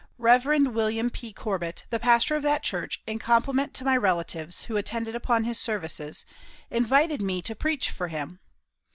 Rev. William P. Corbit, the pastor of that church, in compliment to my relatives, who attended upon his services, invited me to preach for him.